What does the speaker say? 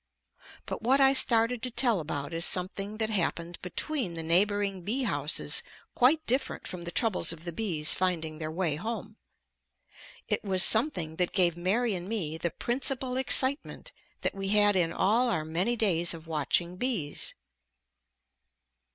But what I started to tell about is something that happened between the neighboring bee houses quite different from the troubles of the bees finding their way home. It was something that gave Mary and me the principal excitement that we had in all our many days of watching bees.